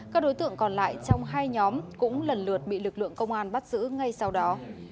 các đối tượng còn lại trong hai nhóm cũng lần lượt bị lực lượng công an bắt giữ ngay sau đó